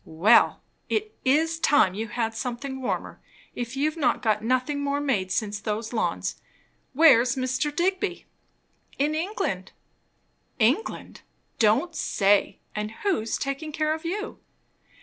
"Well, it is time you had something warmer, if you've got nothing more made since those lawns. Where's Mr. Digby?" "In England." "England! Don't say! And who's taking care of you?"